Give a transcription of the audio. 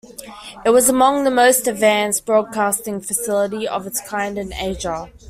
It was among the most advanced broadcasting facility of its kind in Asia.